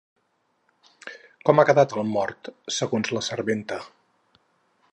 Com ha quedat el mort, segons la serventa?